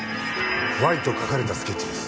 「Ｙ」と描かれたスケッチです。